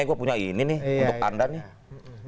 gue punya ini nih untuk anda nih